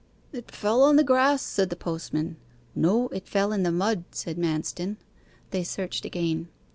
'It fell on the grass,' said the postman. 'No; it fell in the mud,' said Manston. They searched again.